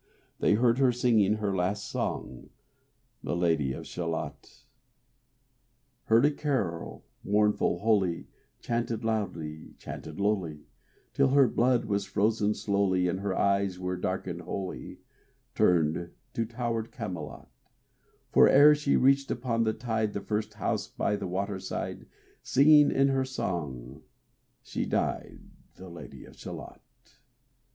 They heard her singing her last song, The Lady of Shalott. Heard a carol, mournful, holy, Chanted loudly, chanted lowly, Till her blood was frozen slowly, And her eyes were darkened wholly, Turned to towered Camelot; For ere she reached upon the tide The first house by the water side, Singing in her song she died, The Lad of Shalott.